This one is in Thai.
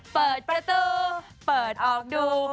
เปิดประตูเปิดออกดู